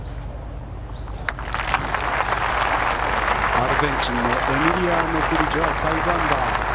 アルゼンチンのエミリアノ・グリジョは５アンダー。